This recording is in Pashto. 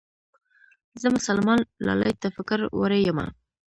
زه مسلمان لالي ته فکر وړې يمه